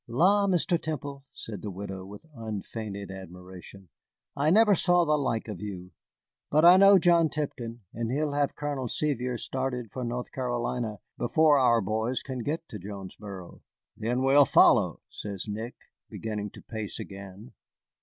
"La, Mr. Temple," said the widow, with unfeigned admiration, "I never saw the like of you. But I know John Tipton, and he'll have Colonel Sevier started for North Carolina before our boys can get to Jonesboro." "Then we'll follow," says Nick, beginning to pace again.